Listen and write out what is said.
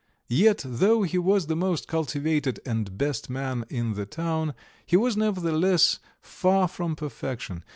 Yet, though he was the most cultivated and best man in the town, he was nevertheless far from perfection.